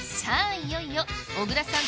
いよいよ小倉さん